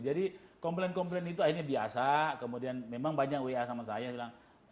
jadi komplain komplain itu akhirnya biasa kemudian memang banyak wa sama saya bilang